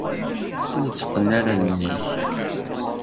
Ur tteqqen ara allen-ik.